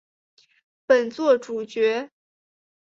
本作主角。